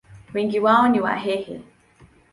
Wengi wao ni Wahehe.